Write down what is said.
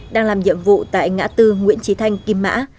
đang làm nhiệm vụ tại ngã tư nguyễn trí thanh kim mã